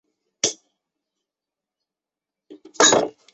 首都城市群是一个来自美国加利福尼亚州洛杉矶的独立流行乐组合。